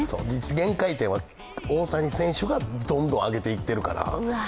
限界点は大谷選手がどんどん上げていってるから。